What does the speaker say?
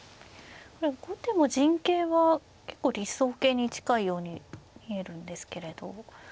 これ後手も陣形は結構理想型に近いように見えるんですけれど。